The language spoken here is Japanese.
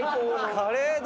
カレーだ。